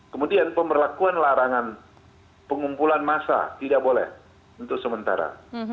kemudian pemberlakuan larangan pengumpulan massa tidak boleh untuk sementara